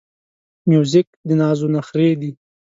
موزیک د نازو نخری دی.